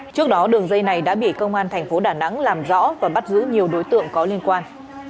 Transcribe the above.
trước đó đường dây này đã bị công an thành phố đà nẵng làm rõ và bắt giữ nhiều đối tượng có liên quan